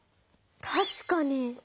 たしかに。